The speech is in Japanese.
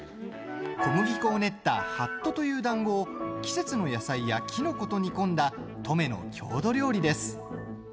小麦粉を練ったはっとというだんごを季節の野菜やきのこと煮込んだ登米の郷土料理です。